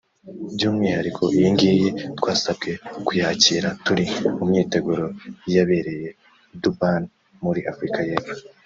By’umwihariko iyi ngiyi twasabwe kuyakira turi mu myiteguro y’iyabereye i Durban muri Afurika y’Epfo